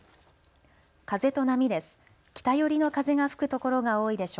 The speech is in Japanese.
風と波です。